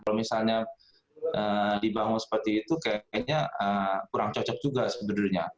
kalau misalnya dibangun seperti itu kayaknya kurang cocok juga sebenarnya